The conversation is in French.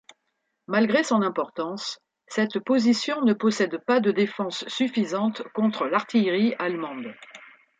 Malgré son importance, cette position ne possède pas de défenses suffisante contre l'artillerie allemande.